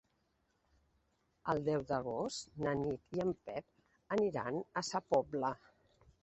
El deu d'agost na Nit i en Pep aniran a Sa Pobla.